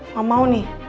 gak mau nih